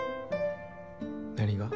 何が？